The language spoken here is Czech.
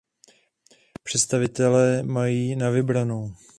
Představitelé mají na vybranou.